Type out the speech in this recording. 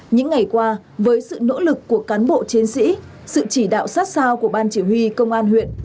những ngày qua với sự nỗ lực của cán bộ chiến sĩ sự chỉ đạo sát sao của ban chỉ huy công an huyện